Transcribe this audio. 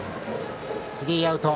スリーアウト。